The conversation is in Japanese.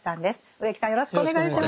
植木さんよろしくお願いします。